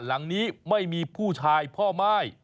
หลังนี้ไม่มีผู้ชายพ่อม่าย